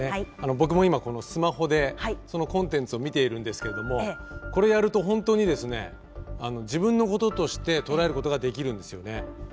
僕も今スマホでそのコンテンツを見ているんですけれどもこれやると本当にですね自分のこととして捉えることができるんですよね。